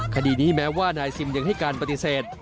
คดีนี้แม้ว่านายซิมยังให้การปฏิเสธ